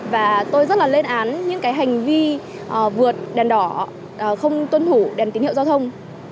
và tôi rất là lên án những cái hành vi vượt đèn đỏ không tuân thủ đèn tín hiệu giao thông